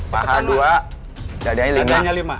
pahanya dua dadanya lima